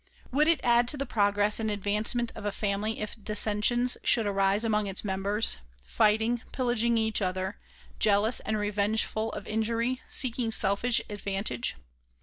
"Would it add to the progress and advancement of a family if dissensions should arise among its members, fighting, pillaging each other, jealous and revengeful of injury, seeking selfish advantage